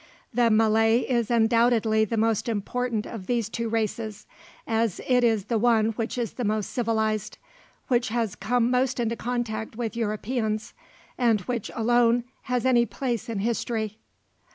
The Malay is undoubtedly the most important of these two races, as it is the one which is the most civilized, which has come most into contact with Europeans, and which alone has any place in history.